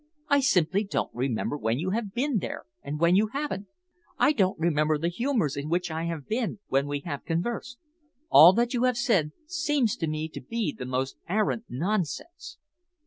I simply don't remember when you have been there and when you haven't. I don't remember the humours in which I have been when we have conversed. All that you have said seems to me to be the most arrant nonsense."